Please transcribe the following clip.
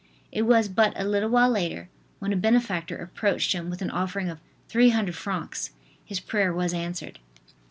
It was but a little while later, when a benefactor approached him with an offering of 300 francs. His prayer was answered.